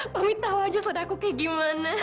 mami tau aja soal aku kayak gimana